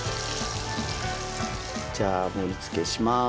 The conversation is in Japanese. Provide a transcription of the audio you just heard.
じゃあ盛りつけします。